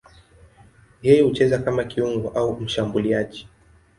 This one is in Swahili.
Yeye hucheza kama kiungo au mshambuliaji.